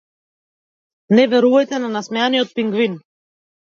Не верувајте на насмеаниот пингвин.